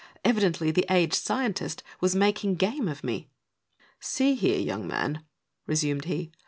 Evi dently the aged scientist was making game of me. "See here, young man," resumed he.